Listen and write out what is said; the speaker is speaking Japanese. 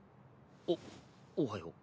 おおはよう。